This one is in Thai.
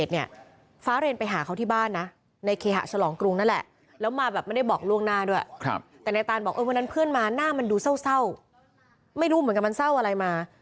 แต่นายตานบอกวันนั้นเพื่อนมาหน้ามันดูเศร้าไม่รู้เหมือนกันมันเศร้าอะไรมา